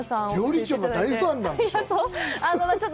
料理長が大ファンなんでしょう？